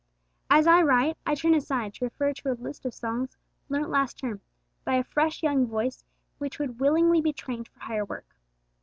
As I write, I turn aside to refer to a list of songs learnt last term by a fresh young voice which would willingly be trained for higher work.